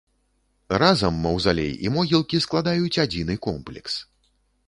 Разам маўзалей і могілкі складаюць адзіны комплекс.